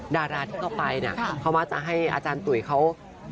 ดาราที่ก่อไปนะเขามาจะให้อาจารย์ตุ๋ยเขา